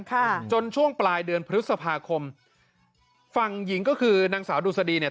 ค่ะจนช่วงปลายเดือนพฤษภาคมฝั่งหญิงก็คือนางสาวดุสดีเนี่ย